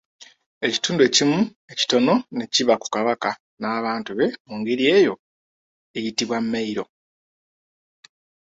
Ekitundu ekimu ekitono ne kiba ku Kabaka n'abantu be mu ngeri eyo eyitibwa Mailo.